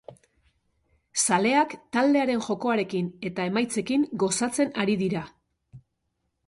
Zaleak taldearen jokoarekin eta emaitzekin gozatzen ari dira.